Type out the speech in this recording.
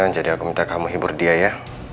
jadi aku minta kamu hibur dia ya